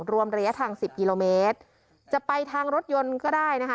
รวมระยะทางสิบกิโลเมตรจะไปทางรถยนต์ก็ได้นะคะ